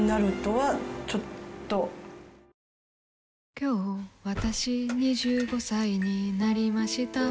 今日わたし、２５歳になりました。